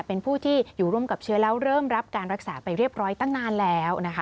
เป็นผู้ที่อยู่ร่วมกับเชื้อแล้วเริ่มรับการรักษาไปเรียบร้อยตั้งนานแล้วนะคะ